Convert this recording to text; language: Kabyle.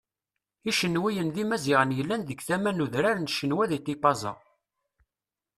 Icenwiyen d Imaziɣen yellan deg tama n udran n Cenwa di Tipaza.